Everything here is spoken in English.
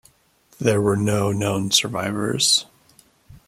There were no known survivors.